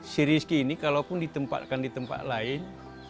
si rizky ini kalaupun ditempatkan di tempat lain